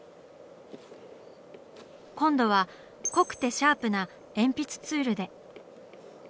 今度は濃くてシャープな鉛筆ツールで。